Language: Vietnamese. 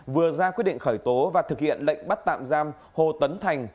vừa ra quyết định khởi tố và thực hiện lệnh bắt tạm giam hồ tấn thành